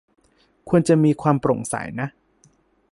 ควรมีความโปร่งใสนะ